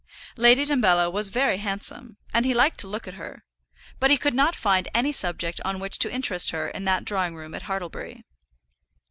Lady Dumbello was very handsome, and he liked to look at her, but he could not find any subject on which to interest her in that drawing room at Hartlebury.